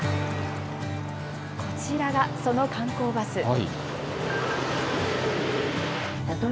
こちらがその観光バス。